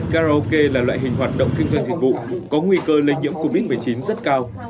karaoke là loại hình hoạt động kinh doanh dịch vụ có nguy cơ lây nhiễm covid một mươi chín rất cao